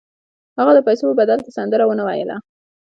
هغه د پیسو په بدل کې سندره ونه ویله